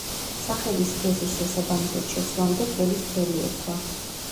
სახელის სქესის შესაბამისად შეცვლამდე კელის ფერი ერქვა.